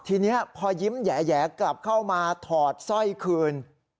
ทีนี้พอยิ้มแหยกลับเข้ามาถอดสร้อยคืน